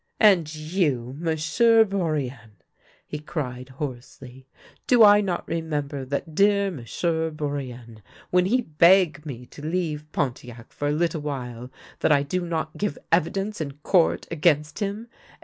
" And you, M'sieu' Bourienne !" he cried hoarsely. " Do I not remember that dear M'sieu' Bourienne, when he beg me to leave Pontiac for a little while that I do not give evidence in court against him